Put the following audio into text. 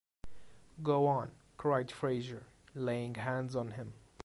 “Go on,” cried Fraser, laying hands on him.